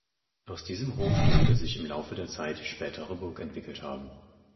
Aus diesem Hof dürfte sich im Laufe der Zeit die spätere Burg entwickelt haben.